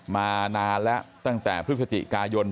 มานานแล้วตั้งแต่พฤศจิกายน